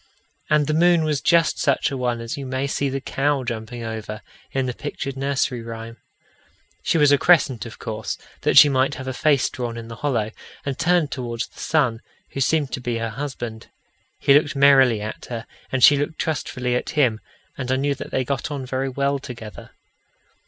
And the moon was just such a one as you may see the cow jumping over in the pictured nursery rhyme. She was a crescent, of course, that she might have a face drawn in the hollow, and turned towards the sun, who seemed to be her husband. He looked merrily at her, and she looked trustfully at him, and I knew that they got on very well together.